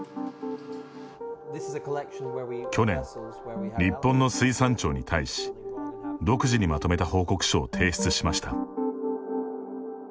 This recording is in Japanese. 去年、日本の水産庁に対し独自にまとめた報告書を提出しました。